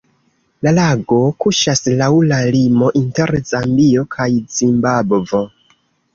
La lago kuŝas laŭ la limo inter Zambio kaj Zimbabvo.